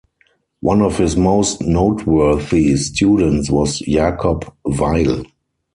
One of his most noteworthy students was Jacob Weil.